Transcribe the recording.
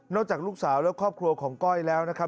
จากลูกสาวและครอบครัวของก้อยแล้วนะครับ